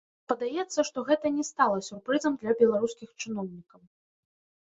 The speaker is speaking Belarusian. Мне падаецца, што гэта не стала сюрпрызам для беларускіх чыноўнікам.